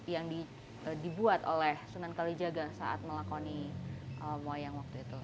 yang dibuat oleh sunan kalijaga saat melakoni wayang waktu itu